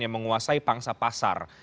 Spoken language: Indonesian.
yang menguasai pangsa pasar